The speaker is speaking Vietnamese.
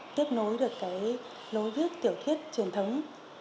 tiếp nối được lối viết tiểu thuyết truyền thống